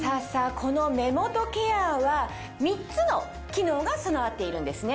この目元ケアは３つの機能が備わっているんですね。